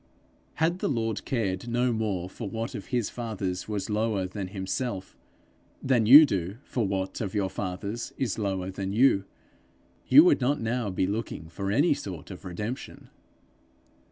Had the Lord cared no more for what of his father's was lower than himself, than you do for what of your father's is lower than you, you would not now be looking for any sort of redemption.